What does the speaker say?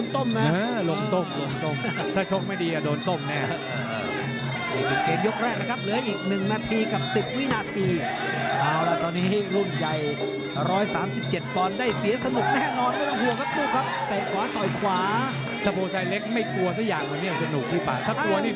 ตลอดบาท๒เป็นวันเสาร์แรกเลยนะครับ